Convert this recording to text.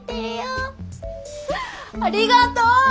ありがとう。